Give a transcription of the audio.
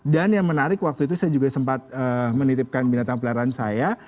dan yang menarik waktu itu saya juga sempat menitipkan binatang peleran saya